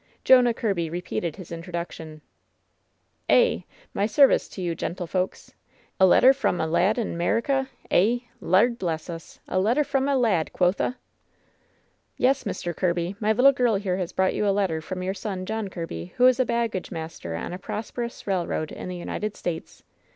Jonah Kirby repeated his introduction. "Eh ! My service to you, gentlefolks. A letter fxa m' lad in 'Merica ! Eh 1 Laird bless us I — a letter f ra m' lad, quotha V "Yes, Mr. Kirby, my little girl here has brought you a letter from your son, John Kirby, who is a baggage master on a prosperous railroad in the United States.